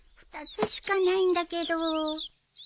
２つしかないんだけど。